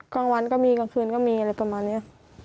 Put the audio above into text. กลางวันก็มีกลางคืนก็มีอะไรประมาณนี้